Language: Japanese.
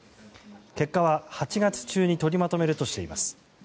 結果は８月中に取りまとめるとしています。